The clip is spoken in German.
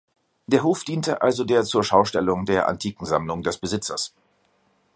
Der Hof diente also der Zurschaustellung der Antikensammlung des Besitzers.